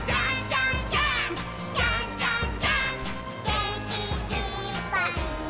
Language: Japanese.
「げんきいっぱいもっと」